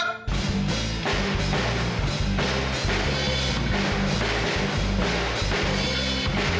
itu di perlindung